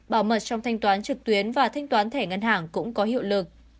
bảo mật trong thanh toán trực tuyến và thanh toán thẻ ngân hàng cũng có hiệu lực